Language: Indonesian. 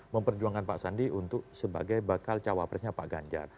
memperjuangkan pak sandi untuk sebagai bakal cawapresnya pak ganjar